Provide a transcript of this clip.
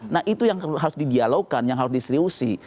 nah itu yang harus di dialogkan yang harus diseriusi